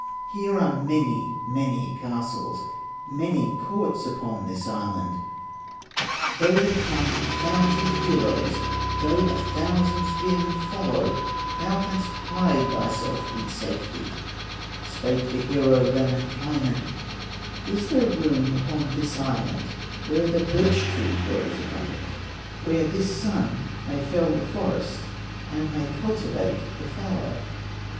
Here are many, many castles, Many courts upon this island; Though there come a thousand heroes, Though a thousand spearmen follow, Thou canst hide thyself in safety." Spake the hero, Lemminkainen: "Is there room upon this island, Where the birch tree grows abundant, Where this son may fell the forest, And may cultivate the fallow?"